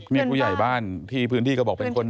ถ้าอยู่ในแผนนี้ค่ะ